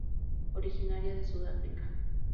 Originaria de Sudáfrica.